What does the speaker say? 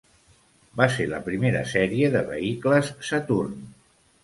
Va ser la primera sèrie de vehicles Saturn.